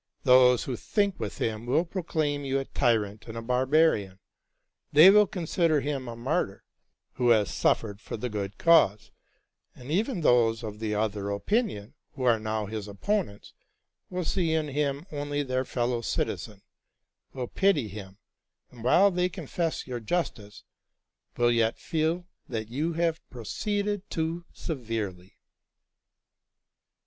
Those who think with him will proclaim you a tyrant and a barbarian; they will consider him a martyr, who has suffered for the good cause ; and even those of the other opinion, who are now his opponents, will see in him only their fellow citizen, will pity him, and, while they confess your justice, will yet feel that you have pro ceeded too severely."